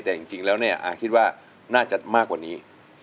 แต่จริงแล้วเนี่ยอาคิดว่าน่าจะมากกว่านี้